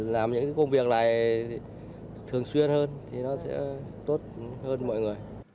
làm những công việc này thường xuyên hơn thì nó sẽ tốt hơn mọi người